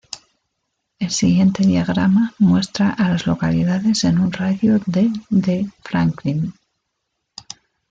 El siguiente diagrama muestra a las localidades en un radio de de Franklin.